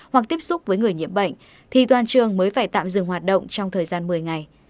hoặc tiếp xúc với người nhiễm bệnh thì toàn trường mới phải tạm dừng hoạt động trong thời gian một mươi ngày